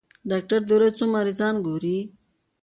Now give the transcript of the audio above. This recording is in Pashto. ډاکټر د ورځې څو مريضان ګوري؟